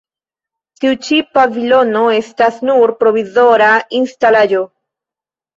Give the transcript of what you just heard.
Tiu ĉi pavilono estas nur provizora instalaĵo.